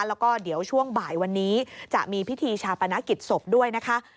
แล้วก็เดี๋ยวช่วงบ่ายวันนี้จะมีพิธีชาปนกิจศพด้วยนะคะ